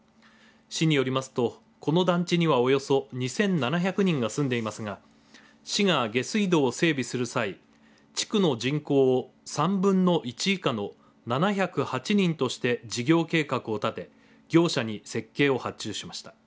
市によりますと、この団地にはおよそ２７００人が住んでいますが市が下水道を整備する際地区の人口を３分の１以下の７０８人として事業計画を立て業者に設計を発注しました。